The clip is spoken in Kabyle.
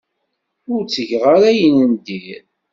Ur ttgeɣ ara ayen n dir.